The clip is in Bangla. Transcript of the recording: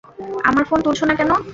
আমার ফোন তুলছ না কেন?